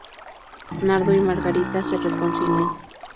Nardo y Margarita se reconcilian.